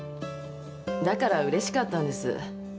だからうれしかったんです。